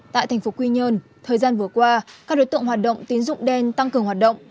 tại thành phố quy nhơn thời gian vừa qua các đối tượng hoạt động tín dụng đen tăng cường hoạt động